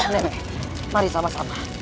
nenek mari sama sama